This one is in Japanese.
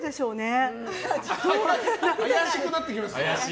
怪しくなってきますね。